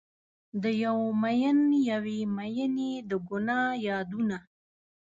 د یو میین یوې میینې د ګناه یادونه